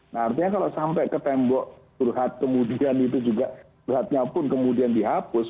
nah artinya kalau sampai ke tembok curhat kemudian itu juga curhatnya pun kemudian dihapus